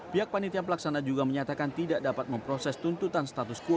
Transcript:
pihak panitia pelaksana juga menyatakan tidak dapat memproses tuntutan status quo